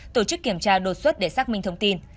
tổ chức kiểm tra đột xuất để xác minh thông tin